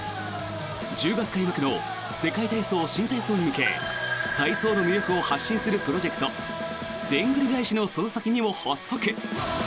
１０月開幕の世界体操・新体操に向け体操の魅力を発信するプロジェクト「でんぐり返しのその先に！」を発足。